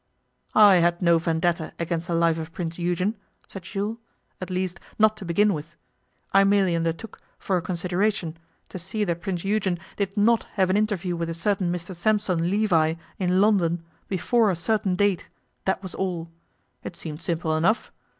'I had no vendetta against the life of Prince Eugen,' said Jules, 'at least, not to begin with. I merely undertook, for a consideration, to see that Prince Eugen did not have an interview with a certain Mr Sampson Levi in London before a certain date, that was all. It seemed simple enough.